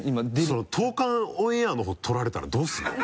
そのトウカンオンエアのほう取られたらどうするの？